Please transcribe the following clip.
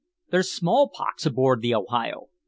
There's small pox aboard the Ohio!